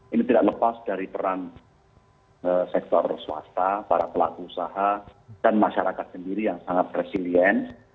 ini tidak lepas dari peran sektor swasta para pelaku usaha dan masyarakat sendiri yang sangat resilient